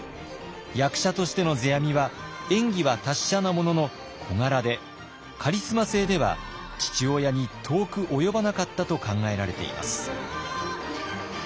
役者としての世阿弥は演技は達者なものの小柄でカリスマ性では父親に遠く及ばなかったと考えられています。